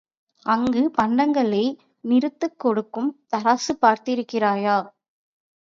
அங்குப் பண்டங்களை நிறுத்துக் கொடுக்கும் தராசு பார்த்திருக்கிறாயா?